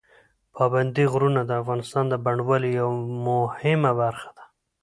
پابندي غرونه د افغانستان د بڼوالۍ یوه مهمه برخه ده.